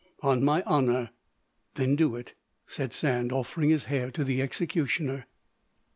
"On my honour." "Then do it," said Sand, offering his hair to the executioner.